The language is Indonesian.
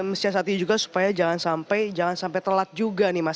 nah ini siasatnya juga supaya jangan sampai telat juga nih mas